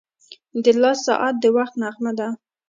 • د لاس ساعت د وخت نغمه ده.